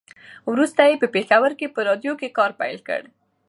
وروسته یې په پېښور کې په راډيو کې کار پیل کړ.